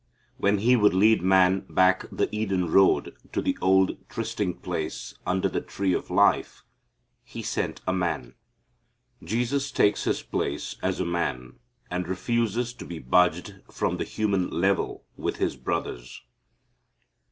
When He would lead man back the Eden road to the old trysting place under the tree of life He sent a man. Jesus takes His place as a man and refuses to be budged from the human level with His brothers.